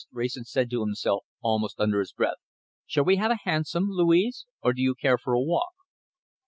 Wrayson said to himself, almost under his breath. "Shall we have a hansom, Louise, or do you care for a walk?"